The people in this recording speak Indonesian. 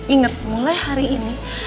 ingat mulai hari ini